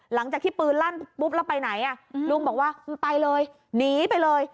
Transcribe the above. หลังจากที่ปืนลั่นปุ๊บแล้วไปไหนอ่ะลุงบอกว่าไปเลยหนีไปเลย